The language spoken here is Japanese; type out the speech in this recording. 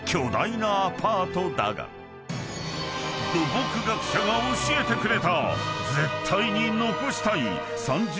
［土木学者が教えてくれた］